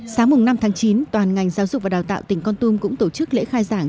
sáng năm tháng chín toàn ngành giáo dục và đào tạo tỉnh con tum cũng tổ chức lễ khai giảng